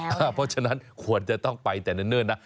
เพราะฉะนั้นควรจะต้องไปแต่เนิ่นนะ